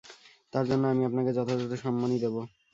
তার জন্যে আমি আপনাকে যথাযথ সম্মানী দেব।